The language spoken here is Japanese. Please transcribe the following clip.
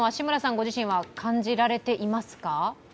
ご自身は感じられていますか？